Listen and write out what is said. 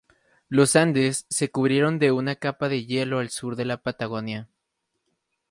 Los Andes se cubrieron de una capa de hielo al sur de la Patagonia.